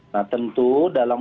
nah tentu dalam